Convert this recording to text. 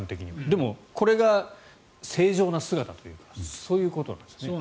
でもこれが正常な姿というかそういうことなんですね。